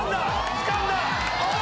つかんだ！